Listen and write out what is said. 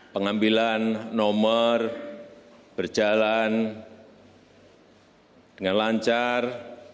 pengambilan nomor berjalan dengan lancar